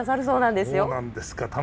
そうなんですか。